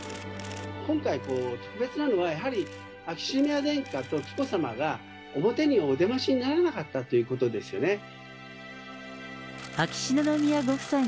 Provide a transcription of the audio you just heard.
今回、特別なのは、やはり、秋篠宮殿下と紀子さまが表にお出ましにならなかったということですよね。